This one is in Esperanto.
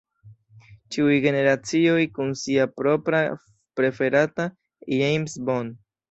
Ĉiuj generacioj kun sia propra preferata James Bond.